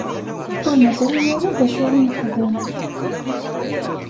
Ur neẓri ara d acu i nexdem.